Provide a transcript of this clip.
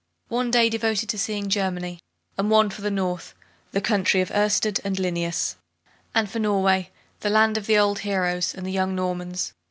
One day devoted to seeing Germany, and one for the North, the country of Oersted and Linnaeus, and for Norway, the land of the old heroes and the young Normans.